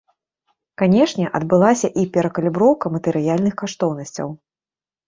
Канешне, адбылася і перакаліброўка матэрыяльных каштоўнасцяў.